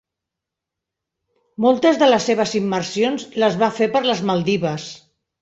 Moltes de les seves immersions les va fer per les Maldives.